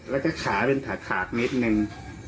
แล้วก็ขาเป็นขาดขาดนิดนึง